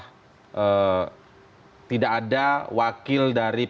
tidak ada wakil dari partai pemenang pemilu atau pemerintah